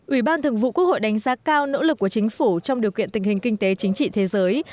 ủy ban thường vụ quốc hội đánh giá cao nỗ lực của chính phủ trong điều kiện tình hình kinh tế chính trị thế giới